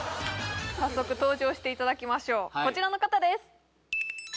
早速登場していただきましょうこちらの方です